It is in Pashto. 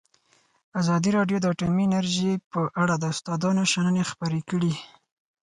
ازادي راډیو د اټومي انرژي په اړه د استادانو شننې خپرې کړي.